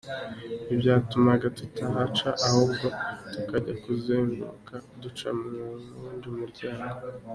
Ibyo byatumaga tutahaca ahubwo tukajya kuzenguruka duca muwundi murenge.